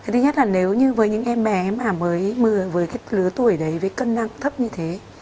thứ nhất là nếu như với những em bé mới với lứa tuổi đấy với cân nặng thấp như thế